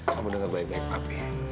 kamu denger baik baik papi